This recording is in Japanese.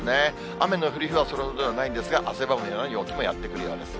雨の降る日はそれほどでもないんですが、汗ばむような陽気もやって来るようです。